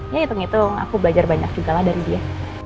ya hitung hitung aku belajar banyak juga lah dari dia